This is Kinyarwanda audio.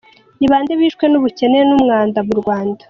– Ni bande bishwe n’ubukene n’umwanda mu Rwanda?